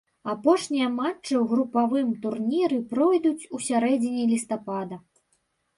Апошнія матчы ў групавым турніры пройдуць у сярэдзіне лістапада.